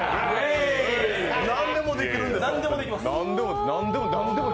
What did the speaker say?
何でもできるんですよ。